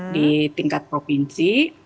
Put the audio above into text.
di tingkat provinsi